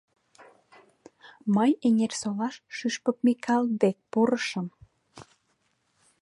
— Мый Эҥерсолаш Шӱшпык Микал дек пурышым.